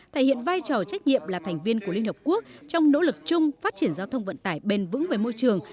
thể hiện vai trò trách nhiệm là thành viên của liên hợp quốc trong nỗ lực chung phát triển giao thông vận tải bền vững về môi trường